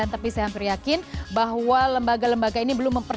tapi saya hampir yakin bahwa lembaga lembaga ini belum memperbaiki